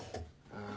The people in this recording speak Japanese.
うん。